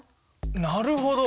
なるほど！